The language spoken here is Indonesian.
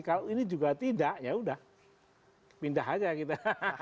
kalau ini juga tidak yaudah pindah aja kita